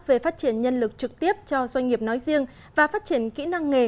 về phát triển nhân lực trực tiếp cho doanh nghiệp nói riêng và phát triển kỹ năng nghề